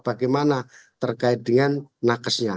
bagaimana terkait dengan nakesnya